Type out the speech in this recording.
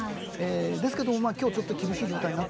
ですけど、きょう、ちょっと厳しい状況。